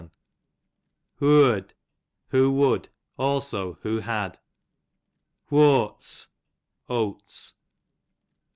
Whooad, w/io iroitld ; also who had. Whoats, oats.